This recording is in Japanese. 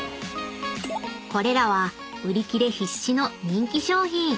［これらは売り切れ必至の人気商品］